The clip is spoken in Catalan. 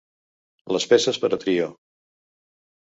Les peces per a trio.